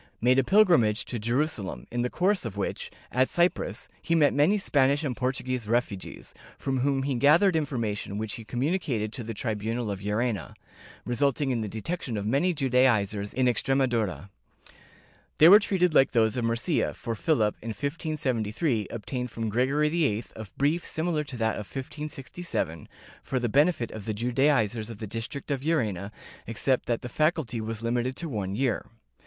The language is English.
236 JEWS [Book VIII a pilgrimage to Jerusalem, in the course of which, at Cyprus, he met many Spanish and Portuguese refugees, from whom he gathered information which he communicated to the tribunal of Llerena, resulting in the detection of many Judaizers in Extre madura.^ They were treated like those of Murcia, for Philip, in 1573, obtained from Gregory XIII a brief similar to that of 1567, for the benefit of the Judaizers of the district of Llerena, except that the faculty was limited to one year.